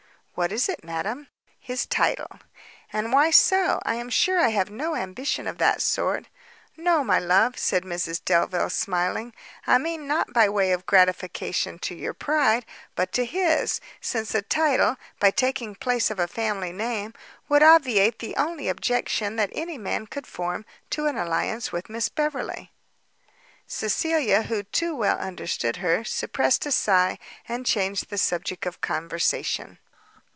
"What is it, madam?" "His title." "And why so? I am sure I have no ambition of that sort." "No, my love," said Mrs Delvile, smiling, "I mean not by way of gratification to your pride, but to his; since a title, by taking place of a family name, would obviate the only objection that any man could form to an alliance with Miss Beverley." Cecilia, who too well understood her, suppressed a sigh, and changed the subject of conversation.